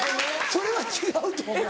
それは違うと思う。